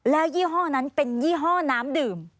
แล้วยี่ห้อนั้นเป็นยี่ห้อน้ำดื่ม